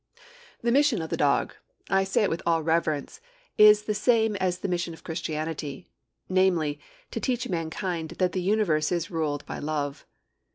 The mission of the dog I say it with all reverence is the same as the mission of Christianity, namely, to teach mankind that the universe is ruled by love.